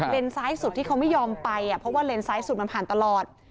ซ้ายสุดที่เขาไม่ยอมไปเพราะว่าเลนซ้ายสุดมันผ่านตลอด